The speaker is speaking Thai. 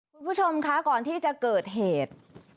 คุณผู้ชมคะก่อนที่จะเกิดเหตุ